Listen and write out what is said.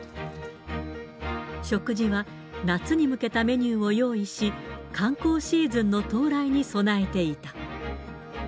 食事は夏に向けたメニューを用意し、観光シーズンの到来に備えていた。